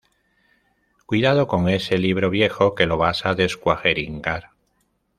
Cuidado con ese libro viejo que lo vas a descuajeringar